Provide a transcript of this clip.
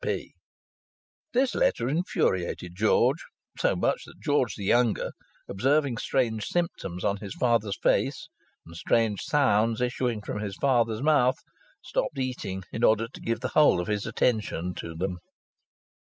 "S.P." This letter infuriated George, so much so that George the younger, observing strange symptoms on his father's face, and strange sounds issuing from his father's mouth, stopped eating in order to give the whole of his attention to them.